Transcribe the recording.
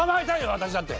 私だって！